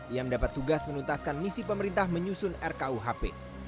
ia mendapat tugas menuntaskan misi pemerintah menyusun rkuhp